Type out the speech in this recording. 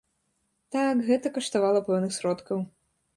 Так, гэта каштавала пэўных сродкаў.